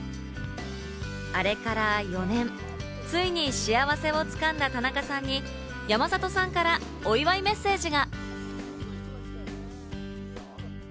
あれから４年、ついに幸せを掴んだ田中さんに山里さんからお祝いメッセージが。